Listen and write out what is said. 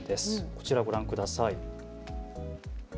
こちらをご覧ください。